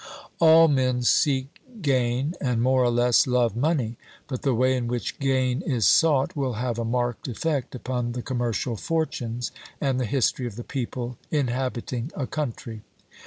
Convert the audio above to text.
All men seek gain and, more or less, love money; but the way in which gain is sought will have a marked effect upon the commercial fortunes and the history of the people inhabiting a country.